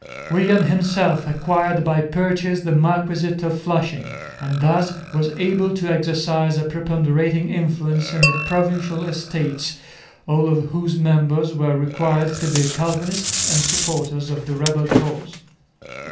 William himself acquired by purchase the marquisate of Flushing and thus was able to exercise a preponderating influence in the Provincial Estates, all of whose members were required to be Calvinists and supporters of the rebel cause.